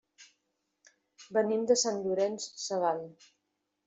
Venim de Sant Llorenç Savall.